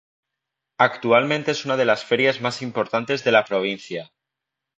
Actualmente es una de las ferias más importantes de la provincia.